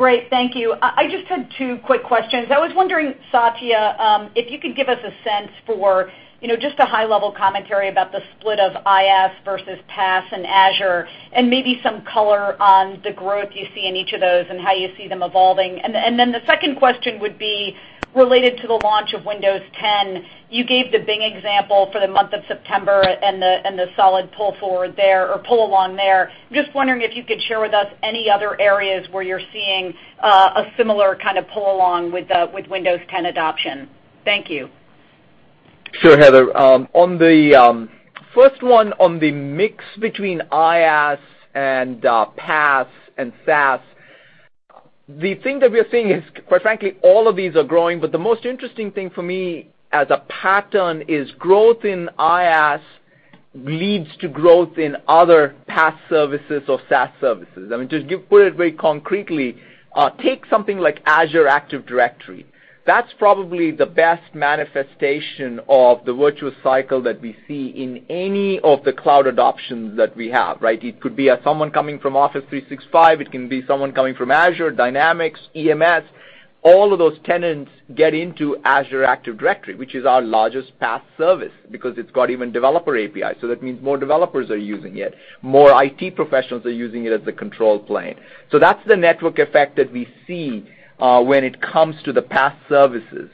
Great. Thank you. I just had two quick questions. I was wondering, Satya, if you could give us a sense for just a high-level commentary about the split of IaaS versus PaaS and Azure, and maybe some color on the growth you see in each of those and how you see them evolving. The second question would be related to the launch of Windows 10. You gave the Bing example for the month of September and the solid pull forward there or pull along there. I'm just wondering if you could share with us any other areas where you're seeing a similar pull along with Windows 10 adoption. Thank you. Sure, Heather. On the first one, on the mix between IaaS and PaaS and SaaS, the thing that we are seeing is, quite frankly, all of these are growing, but the most interesting thing for me as a pattern is growth in IaaS leads to growth in other PaaS services or SaaS services. Just put it very concretely, take something like Azure Active Directory. That's probably the best manifestation of the virtuous cycle that we see in any of the cloud adoptions that we have. It could be someone coming from Office 365, it can be someone coming from Azure, Dynamics, EMS. All of those tenants get into Azure Active Directory, which is our largest PaaS service because it's got even developer API, that means more developers are using it, more IT professionals are using it as a control plane. That's the network effect that we see when it comes to the PaaS services.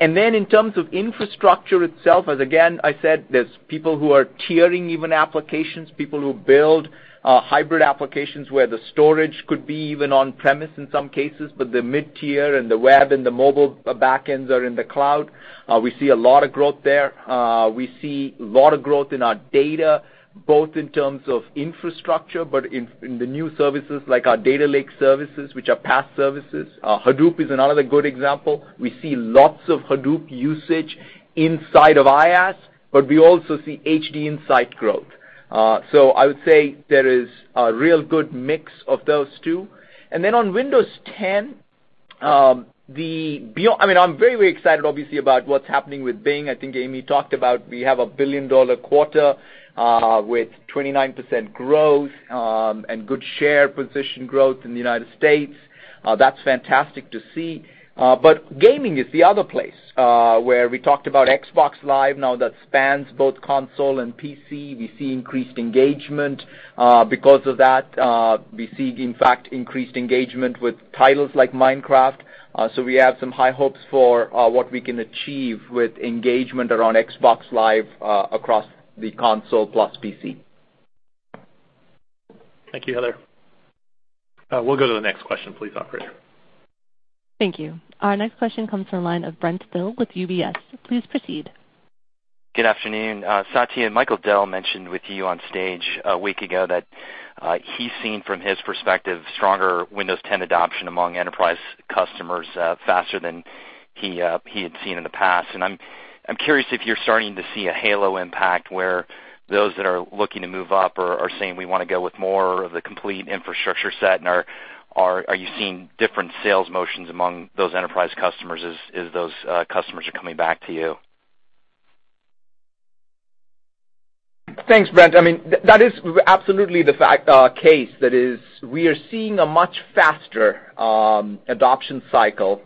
In terms of infrastructure itself, as again I said, there's people who are tiering even applications, people who build hybrid applications where the storage could be even on-premise in some cases, but the mid-tier and the web and the mobile backends are in the cloud. We see a lot of growth there. We see a lot of growth in our data, both in terms of infrastructure, but in the new services like our Data Lake services, which are PaaS services. Hadoop is another good example. We see lots of Hadoop usage inside of IaaS, but we also see HDInsight growth. I would say there is a real good mix of those two. On Windows 10, I'm very excited obviously about what's happening with Bing. I think Amy talked about we have a billion-dollar quarter, with 29% growth, and good share position growth in the U.S. That's fantastic to see. Gaming is the other place where we talked about Xbox Live now that spans both console and PC. We see increased engagement. Because of that, we see, in fact, increased engagement with titles like Minecraft. We have some high hopes for what we can achieve with engagement around Xbox Live across the console plus PC. Thank you, Heather. We'll go to the next question, please, operator. Thank you. Our next question comes from the line of Brent Thill with UBS. Please proceed. Good afternoon. Satya, Michael Dell mentioned with you on stage a week ago that he's seen from his perspective, stronger Windows 10 adoption among enterprise customers faster than he had seen in the past. I'm curious if you're starting to see a halo impact where those that are looking to move up or are saying we want to go with more of the complete infrastructure set, are you seeing different sales motions among those enterprise customers as those customers are coming back to you? Thanks, Brent. That is absolutely the case. That is, we are seeing a much faster adoption cycle,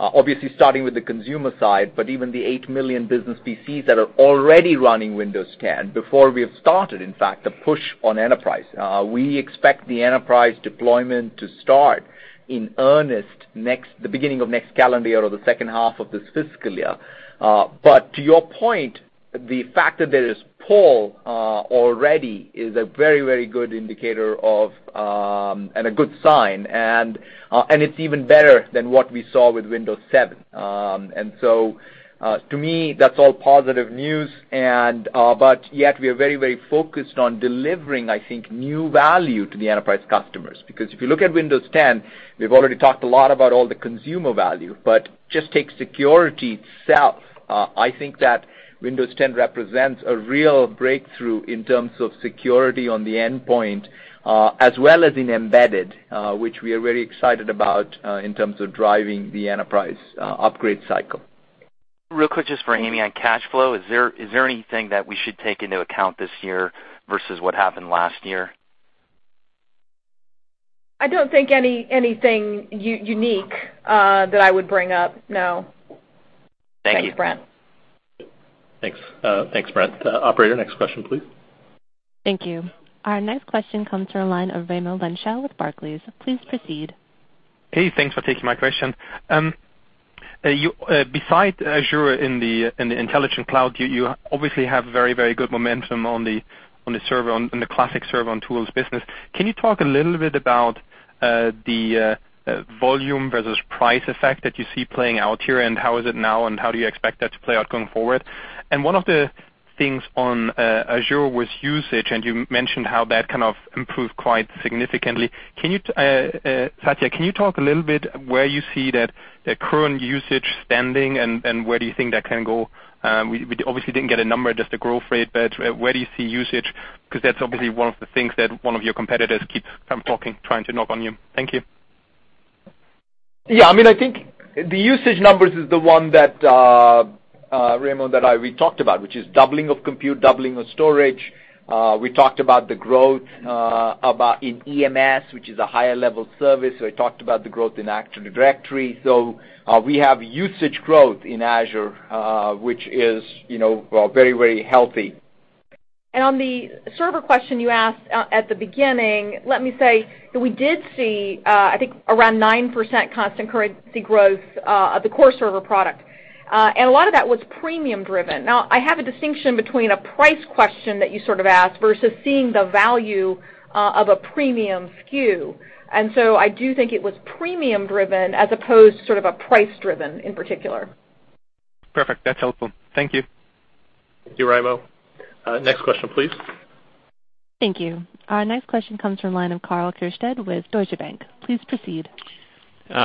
obviously starting with the consumer side, but even the 8 million business PCs that are already running Windows 10 before we have started, in fact, the push on enterprise. We expect the enterprise deployment to start in earnest the beginning of next calendar or the second half of this fiscal year. To your point, the fact that there is pull already is a very good indicator and a good sign. It's even better than what we saw with Windows 7. To me, that's all positive news but yet we are very focused on delivering, I think, new value to the enterprise customers. Because if you look at Windows 10, we've already talked a lot about all the consumer value, but just take security itself. I think that Windows 10 represents a real breakthrough in terms of security on the endpoint, as well as in embedded, which we are very excited about in terms of driving the enterprise upgrade cycle. Real quick, just for Amy on cash flow. Is there anything that we should take into account this year versus what happened last year? I don't think anything unique that I would bring up, no. Thank you. Thanks, Brent. Thanks. Thanks, Brent. Operator, next question, please. Thank you. Our next question comes from the line of Raimo Lenschow with Barclays. Please proceed. Hey, thanks for taking my question. Besides Azure in the intelligent cloud, you obviously have very good momentum on the classic server and tools business. Can you talk a little bit about the volume versus price effect that you see playing out here, and how is it now, and how do you expect that to play out going forward? One of the things on Azure was usage, and you mentioned how that kind of improved quite significantly. Satya, can you talk a little bit where you see that the current usage standing and where do you think that can go? We obviously didn't get a number, just a growth rate, but where do you see usage, because that's obviously one of the things that one of your competitors keeps trying to knock on you. Thank you. Yeah, I think the usage numbers is the one, Raimo, that we talked about, which is doubling of compute, doubling of storage. We talked about the growth in EMS, which is a higher-level service. We talked about the growth in Active Directory. We have usage growth in Azure, which is very healthy. On the server question you asked at the beginning, let me say that we did see, I think, around 9% constant currency growth of the core server product. A lot of that was premium driven. Now, I have a distinction between a price question that you sort of asked versus seeing the value of a premium SKU. I do think it was premium driven as opposed sort of a price driven in particular. Perfect. That's helpful. Thank you. Thank you, Raimo. Next question, please. Thank you. Our next question comes from line of Karl Keirstead with Deutsche Bank. Please proceed.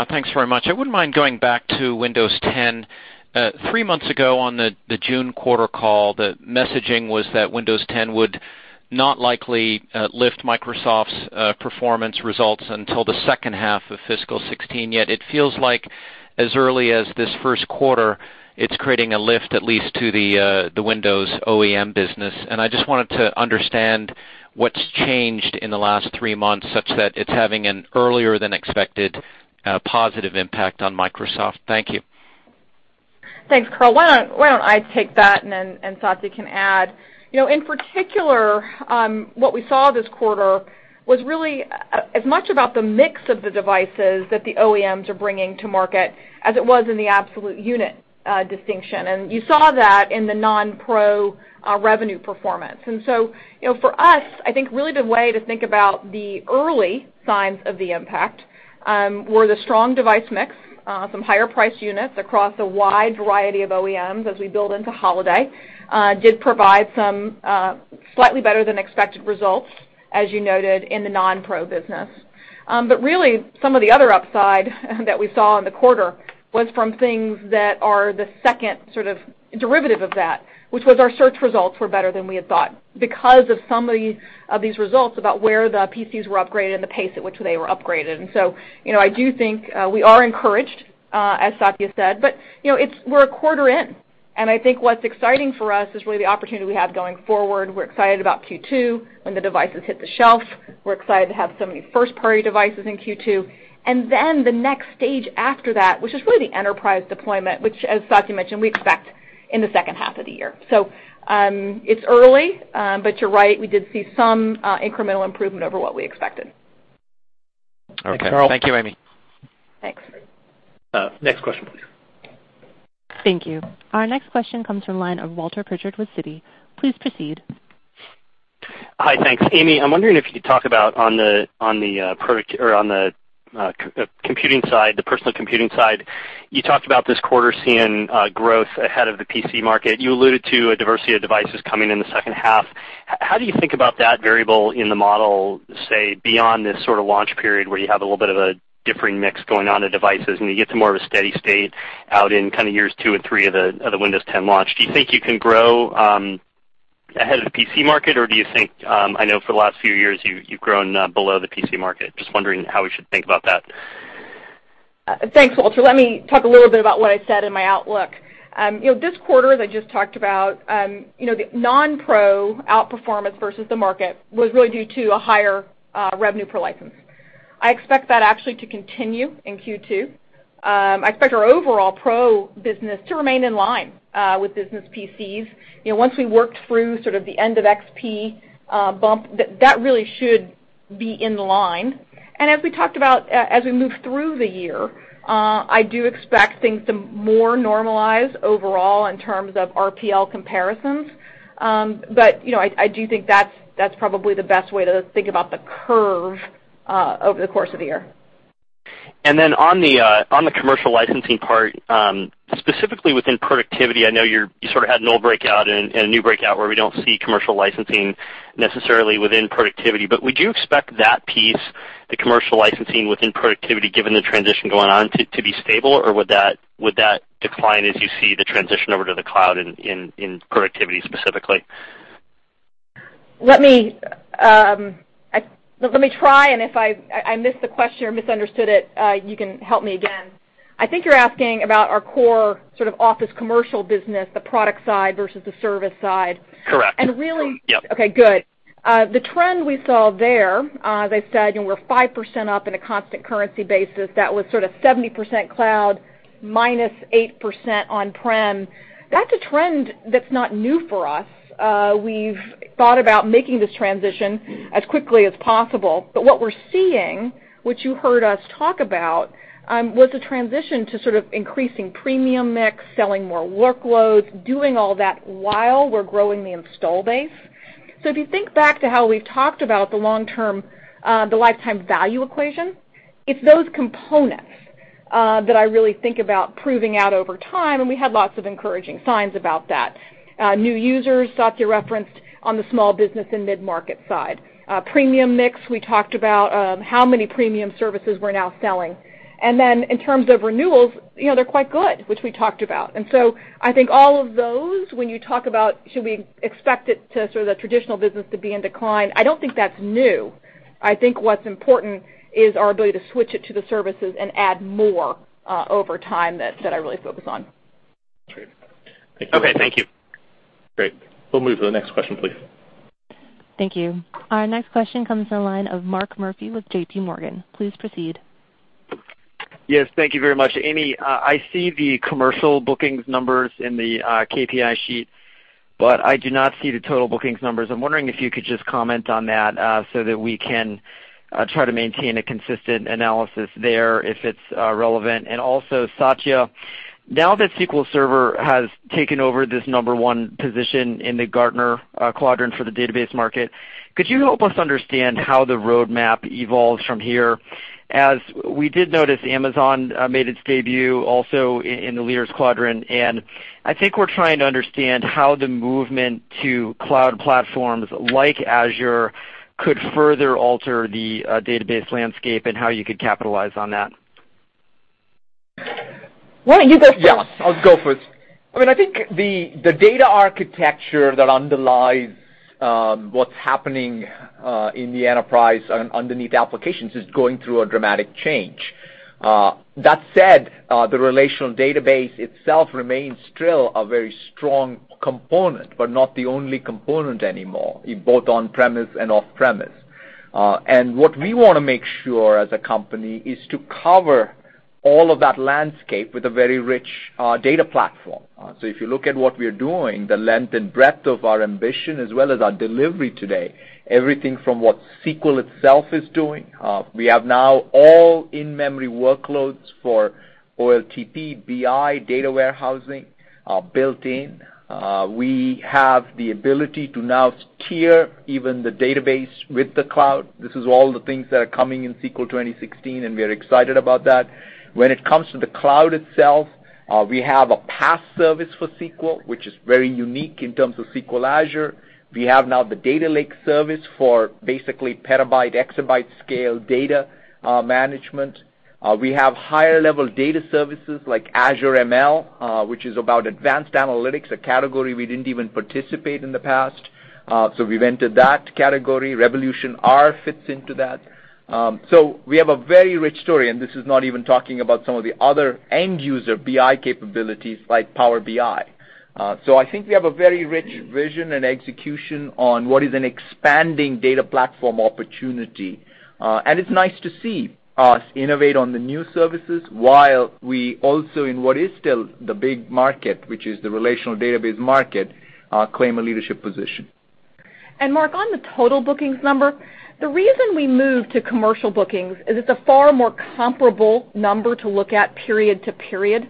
Thanks very much. I wouldn't mind going back to Windows 10. Three months ago on the June quarter call, the messaging was that Windows 10 would not likely lift Microsoft's performance results until the second half of fiscal 2016. It feels like as early as this first quarter, it's creating a lift, at least to the Windows OEM business. I just wanted to understand what's changed in the last three months, such that it's having an earlier than expected positive impact on Microsoft. Thank you. Thanks, Karl. Why don't I take that and then Satya can add. In particular, what we saw this quarter was really as much about the mix of the devices that the OEMs are bringing to market as it was in the absolute unit distinction, and you saw that in the non-pro revenue performance. For us, I think really the way to think about the early signs of the impact were the strong device mix, some higher priced units across a wide variety of OEMs as we build into holiday did provide some slightly better than expected results, as you noted in the non-pro business. Really some of the other upside that we saw in the quarter was from things that are the second sort of derivative of that, which was our search results were better than we had thought because of some of these results about where the PCs were upgraded and the pace at which they were upgraded. I do think we are encouraged, as Satya said, but we're a quarter in, and I think what's exciting for us is really the opportunity we have going forward. We're excited about Q2 when the devices hit the shelf. We're excited to have so many first party devices in Q2. The next stage after that, which is really the enterprise deployment, which as Satya mentioned, we expect in the second half of the year. It's early, but you're right, we did see some incremental improvement over what we expected. Okay. Thank you, Amy. Thanks. Next question, please. Thank you. Our next question comes from line of Walter Pritchard with Citi. Please proceed. Hi, thanks. Amy, I'm wondering if you could talk about on the computing side, the personal computing side. You talked about this quarter seeing growth ahead of the PC market. You alluded to a diversity of devices coming in the second half. How do you think about that variable in the model, say, beyond this sort of launch period where you have a little bit of a differing mix going on of devices and you get to more of a steady state out in years two and three of the Windows 10 launch. Do you think you can grow ahead of the PC market or I know for the last few years you've grown below the PC market. Just wondering how we should think about that. Thanks, Walter. Let me talk a little bit about what I said in my outlook. This quarter, as I just talked about, the non-pro outperformance versus the market was really due to a higher revenue per license. I expect that actually to continue in Q2. I expect our overall pro business to remain in line with business PCs. Once we worked through sort of the end of XP bump, that really should be in line. As we talked as we move through the year, I do expect things to more normalize overall in terms of RPL comparisons. I do think that's probably the best way to think about the curve over the course of the year. On the commercial licensing part, specifically within productivity, I know you sort of had an old breakout and a new breakout where we don't see commercial licensing necessarily within productivity. Would you expect that piece, the commercial licensing within productivity given the transition going on to be stable or would that decline as you see the transition over to the cloud in productivity specifically? Let me try and if I miss the question or misunderstood it, you can help me again. I think you're asking about our core sort of Office commercial business, the product side versus the service side. Correct. Yep. Okay, good. The trend we saw there, as I said, we're 5% up in a constant currency basis. That was sort of 70% cloud minus 8% on-prem. That's a trend that's not new for us. We've thought about making this transition as quickly as possible, but what we're seeing, which you heard us talk about, was a transition to sort of increasing premium mix, selling more workloads, doing all that while we're growing the install base. So if you think back to how we've talked about the long-term, the lifetime value equation, it's those components that I really think about proving out over time, and we had lots of encouraging signs about that. New users, Satya referenced on the small business and mid-market side. Premium mix, we talked about how many premium services we're now selling. In terms of renewals, they're quite good, which we talked about. I think all of those, when you talk about should we expect it to sort of the traditional business to be in decline, I don't think that's new. I think what's important is our ability to switch it to the services and add more over time that I really focus on. Great. Thank you. Great. We'll move to the next question, please. Thank you. Our next question comes to the line of Mark Murphy with JPMorgan. Please proceed. Yes, thank you very much. Amy, I see the commercial bookings numbers in the KPI sheet, but I do not see the total bookings numbers. I'm wondering if you could just comment on that so that we can try to maintain a consistent analysis there if it's relevant. Satya, now that SQL Server has taken over this number one position in the Gartner quadrant for the database market, could you help us understand how the roadmap evolves from here? As we did notice, Amazon made its debut also in the leaders quadrant, and I think we're trying to understand how the movement to cloud platforms like Azure could further alter the database landscape and how you could capitalize on that. Why don't you go first? I'll go first. I think the data architecture that underlies what's happening in the enterprise underneath applications is going through a dramatic change. That said, the relational database itself remains still a very strong component, but not the only component anymore, in both on-premise and off-premise. What we want to make sure as a company is to cover all of that landscape with a very rich data platform. If you look at what we're doing, the length and breadth of our ambition as well as our delivery today, everything from what SQL itself is doing, we have now all in-memory workloads for OLTP, BI, data warehousing built in. We have the ability to now tier even the database with the cloud. This is all the things that are coming in SQL 2016, we're excited about that. When it comes to the cloud itself, we have a PaaS service for SQL, which is very unique in terms of SQL Azure. We have now the Azure Data Lake service for basically petabyte, exabyte scale data management. We have higher level data services like Azure ML, which is about advanced analytics, a category we didn't even participate in the past. We've entered that category. Revolution R fits into that. We have a very rich story, this is not even talking about some of the other end user BI capabilities like Power BI. I think we have a very rich vision and execution on what is an expanding data platform opportunity. It's nice to see us innovate on the new services while we also, in what is still the big market, which is the relational database market, claim a leadership position. Mark, on the total bookings number, the reason we moved to commercial bookings is it's a far more comparable number to look at period to period.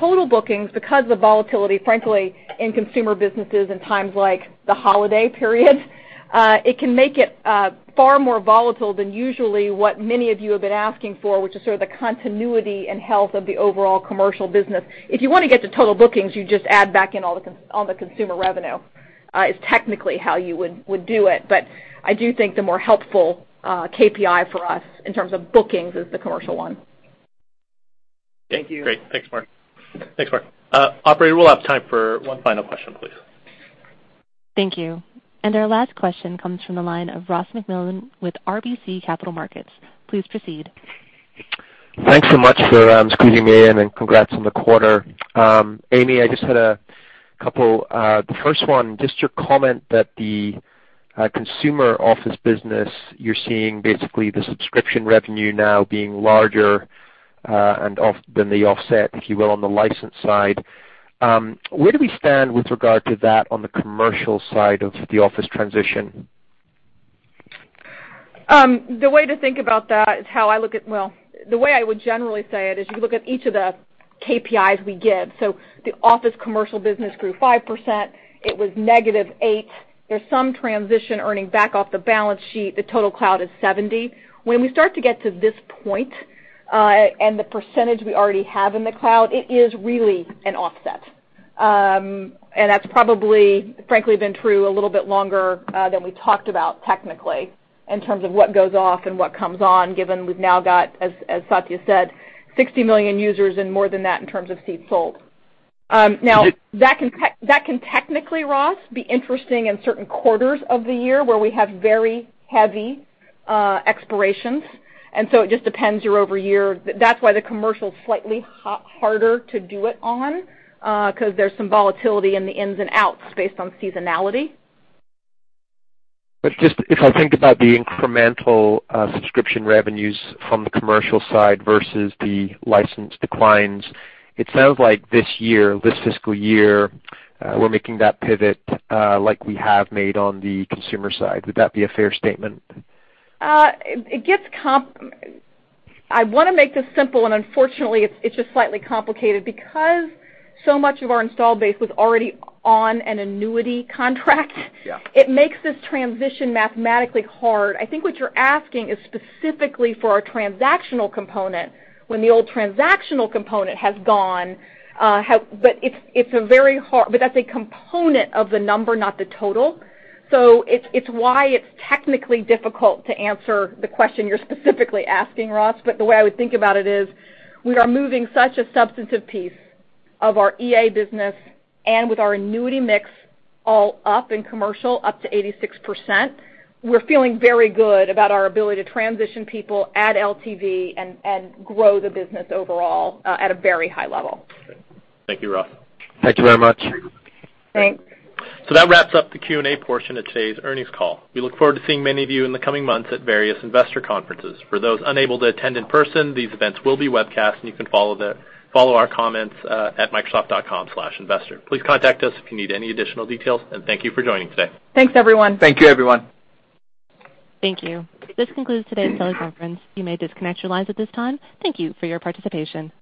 Total bookings, because the volatility, frankly, in consumer businesses in times like the holiday period, it can make it far more volatile than usually what many of you have been asking for, which is sort of the continuity and health of the overall commercial business. If you want to get to total bookings, you just add back in all the consumer revenue, is technically how you would do it. I do think the more helpful KPI for us in terms of bookings is the commercial one. Thank you. Great. Thanks, Mark. Operator, we'll have time for one final question, please. Thank you. Our last question comes from the line of Ross MacMillan with RBC Capital Markets. Please proceed. Thanks so much for squeezing me in. Congrats on the quarter. Amy, I just had a couple. The first one, just your comment that the consumer Office business, you're seeing basically the subscription revenue now being larger than the offset, if you will, on the license side. Where do we stand with regard to that on the commercial side of the Office transition? The way to think about that is the way I would generally say it is you can look at each of the KPIs we give. The Office commercial business grew 5%. It was -8%. There's some transition earning back off the balance sheet. The total cloud is 70%. When we start to get to this point, and the percentage we already have in the cloud, it is really an offset. That's probably, frankly, been true a little bit longer than we talked about technically in terms of what goes off and what comes on, given we've now got, as Satya said, 60 million users and more than that in terms of seats sold. That can technically, Ross, be interesting in certain quarters of the year where we have very heavy expirations, and so it just depends year-over-year. That's why the commercial's slightly harder to do it on, because there's some volatility in the ins and outs based on seasonality. Just if I think about the incremental subscription revenues from the commercial side versus the license declines, it sounds like this year, this fiscal year, we're making that pivot like we have made on the consumer side. Would that be a fair statement? I want to make this simple. Unfortunately, it's just slightly complicated because so much of our install base was already on an annuity contract. Yeah. It makes this transition mathematically hard. I think what you're asking is specifically for our transactional component, when the old transactional component has gone. That's a component of the number, not the total. It's why it's technically difficult to answer the question you're specifically asking, Ross. The way I would think about it is, we are moving such a substantive piece of our EA business, and with our annuity mix all up in commercial, up to 86%, we're feeling very good about our ability to transition people, add LTV, and grow the business overall at a very high level. Thank you, Ross. Thank you very much. Thanks. That wraps up the Q&A portion of today's earnings call. We look forward to seeing many of you in the coming months at various investor conferences. For those unable to attend in person, these events will be webcast, and you can follow our comments at microsoft.com/investor. Please contact us if you need any additional details, and thank you for joining today. Thanks, everyone. Thank you, everyone. Thank you. This concludes today's teleconference. You may disconnect your lines at this time. Thank you for your participation.